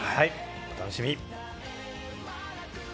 お楽しみに。